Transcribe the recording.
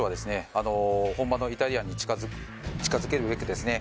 あの本場のイタリアンに近づけるべくですね